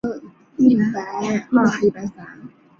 虫洞于剧中也非二维空间之洞穴而是三维空间之球体。